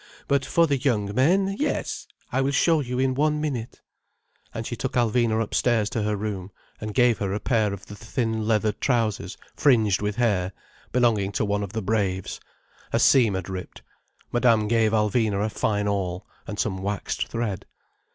But for the young men—yes, I will show you in one minute—" And she took Alvina upstairs to her room, and gave her a pair of the thin leather trousers fringed with hair, belonging to one of the braves. A seam had ripped. Madame gave Alvina a fine awl and some waxed thread.